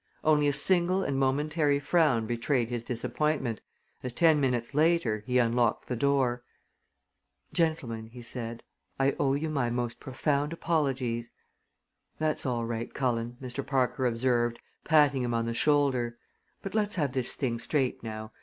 Only a single and momentary frown betrayed his disappointment as, ten minutes later, he unlocked the door. "Gentlemen," he said, "I owe you my most profound apologies." "That's all right, Cullen," Mr. Parker observed, patting him on the shoulder; "but let's have this thing straight now.